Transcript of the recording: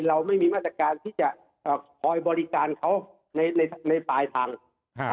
เราไม่มีมาตรการที่จะเอ่อคอยบริการเขาในในปลายทาง